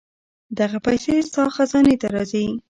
دغه پېسې ستا خزانې ته راځي.